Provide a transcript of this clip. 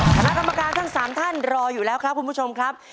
คณะกรรมการทั้ง๓ท่านรออยู่แล้วครับคุณผู้ชมครับ